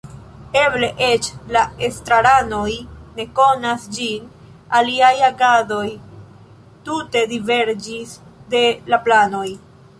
Eble eĉ la estraranoj ne konas ĝin iliaj agadoj tute diverĝis de la planoj.